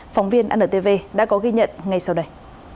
phóng viên antv đã có ghi nhận ngay sau đây